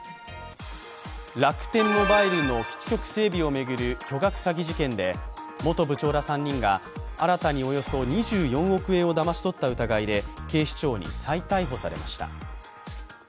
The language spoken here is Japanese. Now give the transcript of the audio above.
楽天モバイルの基地局整備を巡る巨額詐欺事件で元部長ら３人が新たにおよそ２４億円をだまし取った疑いで警視庁に再逮捕されました。